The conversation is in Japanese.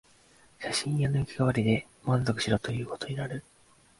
写真屋の役割で満足しろということになる